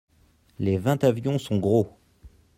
Les vingt avions sont gros.